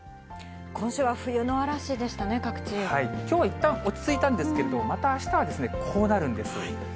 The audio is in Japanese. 今週は冬の嵐でしたね、きょうはいったん落ち着いたんですけれど、またあしたはこうなるんです。